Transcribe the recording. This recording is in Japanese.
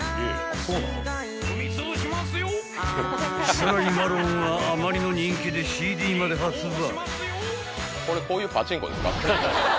［如月マロンはあまりの人気でＣＤまで発売］